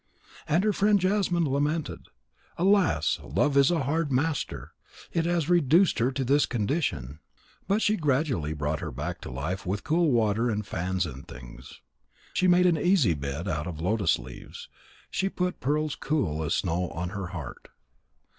And her friend Jasmine lamented: "Alas! Love is a hard master. It has reduced her to this condition." But she gradually brought her back to life with cool water and fans and things. She made an easy bed of lotus leaves. She put pearls cool as snow on her heart.